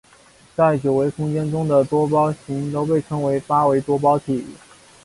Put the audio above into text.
在九维空间中的多胞形都被称为八维多胞形。